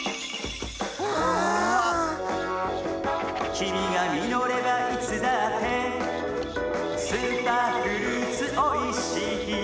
「きみがみのればいつだってスーパーフルーツおいしいよ」